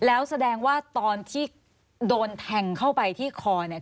แล้วแสดงว่าตอนที่โดนแทงเข้าไปที่คอเนี่ย